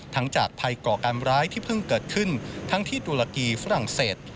จากภัยก่อการร้ายที่เพิ่งเกิดขึ้นทั้งที่ตุรกีฝรั่งเศส